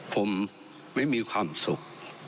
ผมไม่มีความสุข